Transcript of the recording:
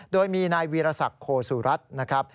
โดยมีนายวิรสักโคสุรัตินะครับ